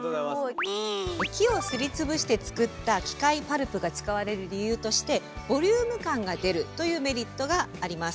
木をすりつぶして作った「機械パルプ」が使われる理由としてボリューム感が出るというメリットがあります。